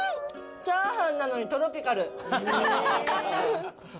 チャーハンなのにトロピカル。